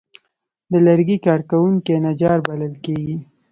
د لرګي کار کوونکي نجار بلل کېږي.